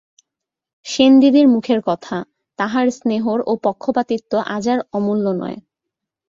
সেনদিদির মুখের কথা, তাহার স্নেহর ও পক্ষপাতিত্ব আজ আর অমূল্য নয়।